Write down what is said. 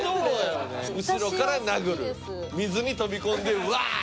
後ろから殴る水に飛び込んでワ！